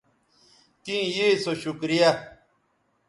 تیں یے سو شکریہ